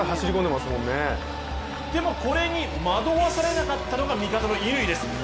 でもこれに惑わされなかったのが味方の乾です。